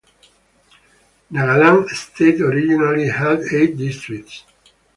Nagaland state originally had eight districts.